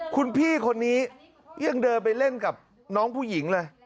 คุณพี่คนนี้ยังเดินไปเล่นกับน้องผู้หญิงเลย